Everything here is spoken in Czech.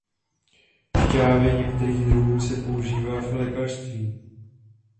Šťávy některých druhů se používá v lékařství.